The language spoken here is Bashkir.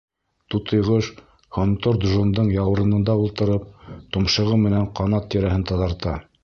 Тутыйғош, Һонтор Джондың яурынында ултырып, томшоғо менән ҡанат тирәһен таҙарта.